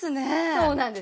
そうなんです。